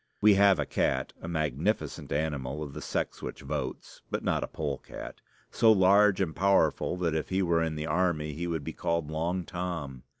We have a cat, a magnificent animal, of the sex which votes (but not a pole cat) so large and powerful that if he were in the army he would be called Long Tom.